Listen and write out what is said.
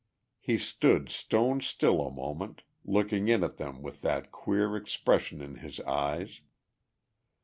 He stood stone still a moment, looking in at them with that queer expression in his eyes.